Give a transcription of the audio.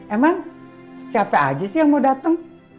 emang siapa aja sih yang mau datang